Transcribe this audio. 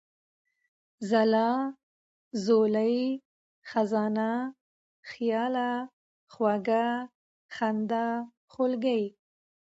ځلا ، ځولۍ ، خزانه ، خياله ، خوږه ، خندا ، خولگۍ ،